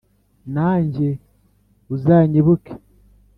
nanjye uzanyibuke